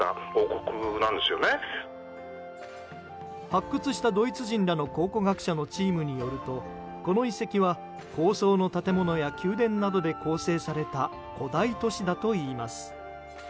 発掘したドイツ人らの考古学者のチームによるとこの遺跡は高層の建物や宮殿などで構成された古代都市だといいます。